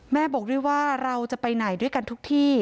แม่บอกด้วยว่าเราจะไปไหนด้วยกันทุกที่